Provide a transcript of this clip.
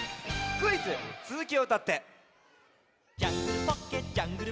クイズ「つづきをうたって！」。